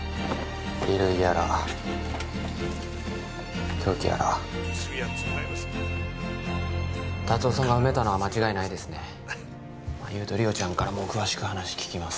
衣類やら凶器やら達雄さんが埋めたのは間違いないですね優と梨央ちゃんからも詳しく話聞きます